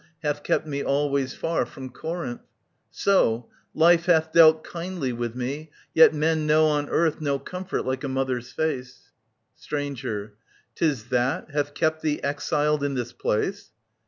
Hath kept me always far from Corinth. So ; Life hath dealt kindly with me, yet men know On earth no comfort like a mother's fzcc. Stranger. *Tis that, hath kept thee exiled in this place